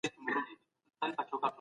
نن سبا کتابونه تر پخوا خورا ډېر چاپېږي.